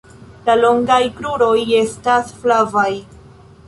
La longaj kruroj estas flavaj.